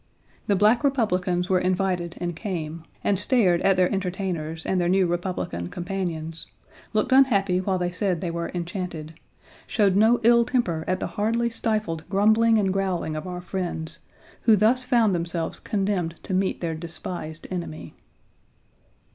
The Black Republicans were invited and came, and stared at their entertainers and their new Republican companions looked unhappy while they said they were enchanted showed no ill temper at the hardly stifled grumbling and growling of our friends, who thus found themselves condemned to meet their despised enemy."